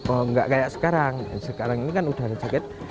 oh enggak kayak sekarang sekarang ini kan udah ada jaket